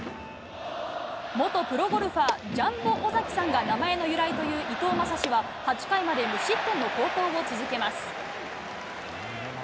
元プロゴルファー、ジャンボ尾崎さんが名前の由来という伊藤将司は８回まで無失点の好投を続けます。